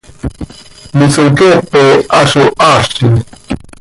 misoqueepe ha zo haazi!